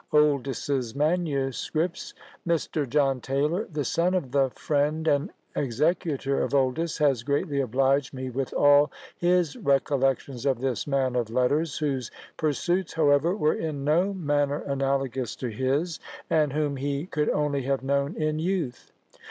Oldys's Manuscripts. Mr. John Taylor, the son of the friend and executor of Oldys, has greatly obliged me with all his recollections of this man of letters; whose pursuits, however, were in no manner analogous to his, and whom he could only have known in youth.